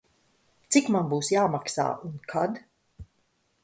Cik man būs jāmaksā un kad?